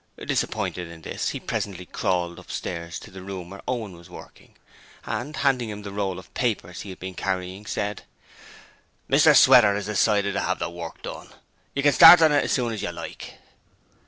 Disappointed in this, he presently crawled upstairs to the room where Owen was working and, handing to him the roll of papers he had been carrying, said: 'Mr Sweater had decided to 'ave this work done, so you can start on it as soon as you like.'